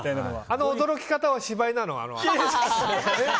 あの驚き方は芝居なの？